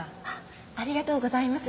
ありがとうございます。